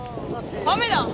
雨だ！